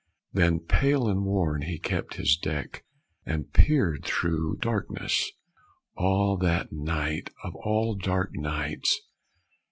Then, pale and worn, he kept his deck, And peered through darkness. Ah, that night Of all dark nights!